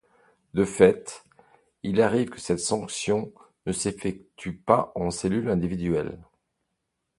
De fait, il arrive que cette sanction ne s'effectue pas en cellule individuelle.